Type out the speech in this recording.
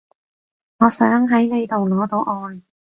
我想喺你度攞到愛